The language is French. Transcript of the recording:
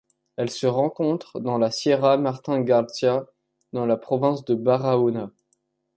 Elle se rencontre dans la sierra Martín García dans la province de Barahona.